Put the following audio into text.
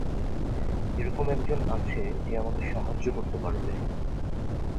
এরকম একজন আছে যে আমাদের সাহায্য করতে পারবে।